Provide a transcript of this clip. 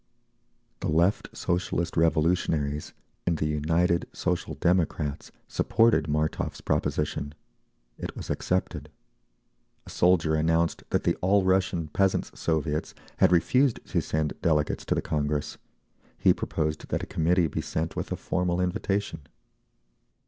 The Left Socialist Revolutionaries and the United Social Democrats supported Martov's proposition. It was accepted. A soldier announced that the All Russian Peasants' Soviets had refused to send delegates to the Congress; he proposed that a committee be sent with a formal invitation.